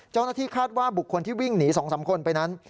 เจ้าหน้าที่คาดว่าบุคคลที่วิ่งหนี๒๓คนไปนั้น